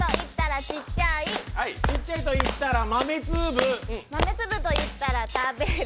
ちっちゃいといったら豆粒、豆粒といったら食べる